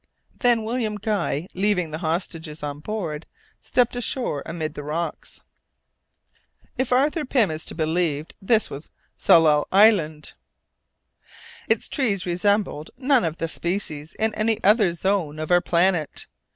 Then William Guy, leaving the hostages on board, stepped ashore amid the rocks. If Arthur Pym is to be believed, this was Tsalal Island! Its trees resembled none of the species in any other zone of our planet.